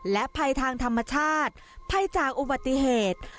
และภัยทางธรรมชาติภัยจากอุบัติเหตุ